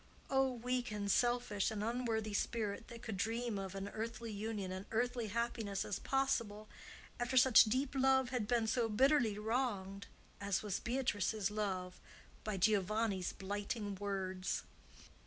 O, weak, and selfish, and unworthy spirit, that could dream of an earthly union and earthly happiness as possible, after such deep love had been so bitterly wronged as was Beatrice's love by Giovanni's blighting words!